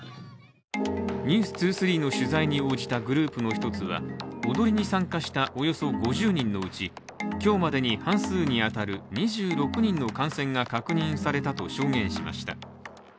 「ｎｅｗｓ２３」の取材に応じたグループの１つは踊りに参加したおよそ５０人のうち今日までに半数に当たる２６人の感染が確認されたと証言しました。